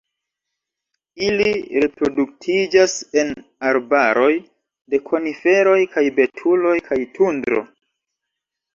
Ili reproduktiĝas en arbaroj de koniferoj kaj betuloj kaj tundro.